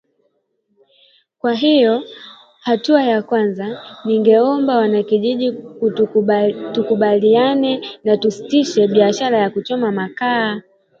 "Kwa hivyo hatua ya kwanza ningeomba wana kijiji tukubaliane na tusitishe biashara ya kuchoma makaa